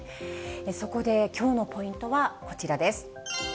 そこできょうのポイントはこちらです。